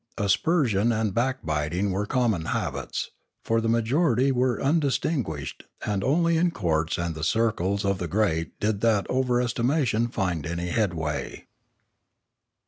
Aspersion and back biting were common habits; for the majority were un distinguished and only in courts and the circles of the great did that of overestimation find any headway.